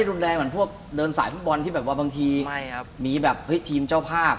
แบบพวกเดินสายฟุตบอลที่แบบว่าบางทีมีแบบทีมเจ้าภาพ